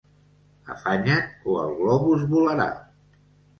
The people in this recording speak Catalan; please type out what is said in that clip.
Afanya't o el globus volarà.